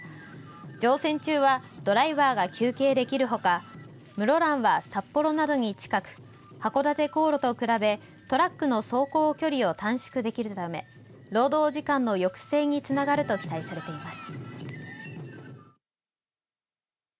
乗船中はドライバーが休憩できるほか室蘭は札幌などに近く函館航路と比べトラックの走行距離を短縮できるため労働時間の抑制につながると期待されています。